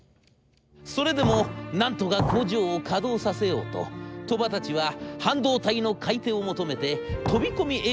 それでもなんとか工場を稼働させようと鳥羽たちは半導体の買い手を求めて飛び込み営業に奔走いたします。